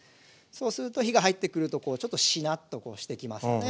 そうすると火が入ってくるとちょっとしなっとしてきますよね。